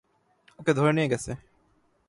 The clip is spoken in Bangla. ওকে ধরে নিয়ে গেছে।